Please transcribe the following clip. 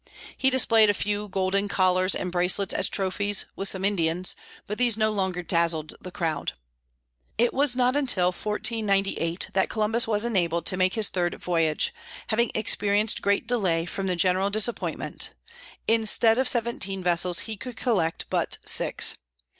He displayed a few golden collars and bracelets as trophies, with some Indians; but these no longer dazzled the crowd. It was not until 1498 that Columbus was enabled to make his third voyage, having experienced great delay from the general disappointment. Instead of seventeen vessels, he could collect but six.